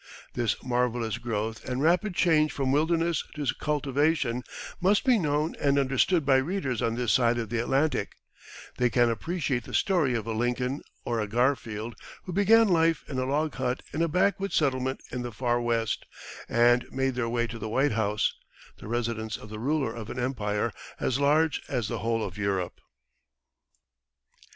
This marvellous growth and rapid change from wilderness to cultivation must be known and understood by readers on this side of the Atlantic, they can appreciate the story of a Lincoln or a Garfield who began life in a log hut in a backwoods settlement in the Far West, and made their way to the White House, the residence of the ruler of an empire as large as the whole of Europe.